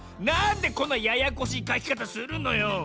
なんでこんなややこしいかきかたするのよ？